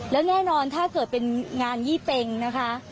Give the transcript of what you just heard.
แล้วแน่นอนถ้าเกิดเป็นงานยี่เป็งนะคะ